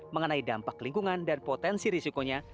mengenai dampak lingkungan dan potensi risikonya